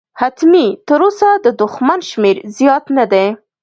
حتمي، تراوسه د دښمن شمېر زیات نه دی.